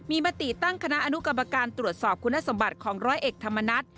มีมติตั้งคณะอนุกรรมการตรวจสอบคุณสมบัติของร้อยเอกธรรมนัฐ